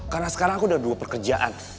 karena sekarang aku udah dua pekerjaan